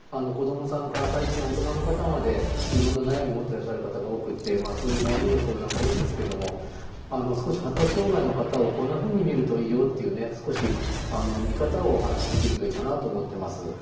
子どもさんから最近は大人の方までいろんな悩み持っていらっしゃる方が多くてそういう悩みの相談が多いんですけども少し発達障害の方をこんなふうに見るといいよっていう少し見方をお話しできるといいかなと思っています。